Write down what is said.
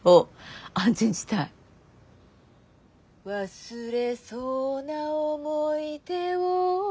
「忘れそうな想い出を」